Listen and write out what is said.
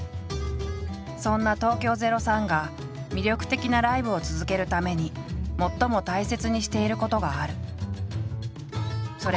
そんな東京０３が魅力的なライブを続けるために最も大切にしていることがある。